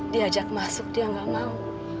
dia ajak masuk dia nggak mau